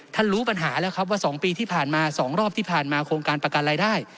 รู้ปัญหาแล้วครับว่า๒ปีที่ผ่านมา๒รอบที่ผ่านมาโครงการประกันรายได้